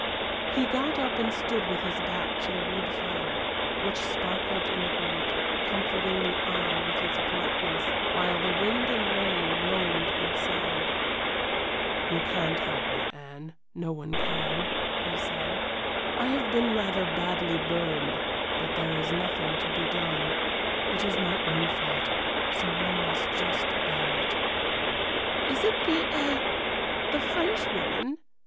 He got up and stood with his back to the wood fire, which sparkled in the grate, comforting the eye with its brightness, while the wind and rain moaned outside. "You can't help me, Anne; no one can," he said. "I have been rather badly burned, but there is nothing to be done. It is my own fault so one must just bear it." "Is it the eh the Frenchwoman?"